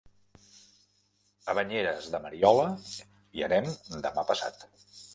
A Banyeres de Mariola hi anem demà passat.